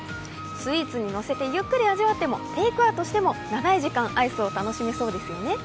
スイーツにのせてゆっくり味わってもテイクアウトしても長い時間アイスを楽しめそうですよね。